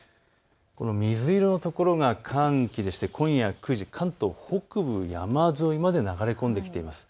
水色の所が寒気で今夜９時、関東北部山沿いまで流れ込んできます。